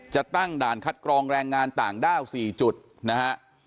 จะตั้งด่านคัดกรองแรงงานต่างด้าว๔จุดนะฮะ